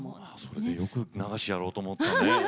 よく、流しやろうと思ったよね。